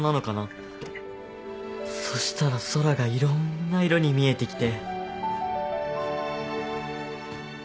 そしたら空がいろんな色に見えてきて。